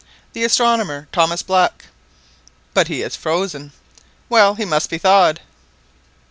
"The astronomer, Thomas Black." "But he is frozen." "Well, he must be thawed."